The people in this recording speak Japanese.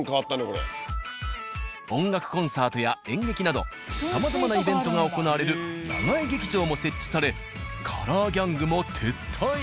音楽コンサートや演劇などさまざまなイベントが行われる野外劇場も設置されカラーギャングも撤退。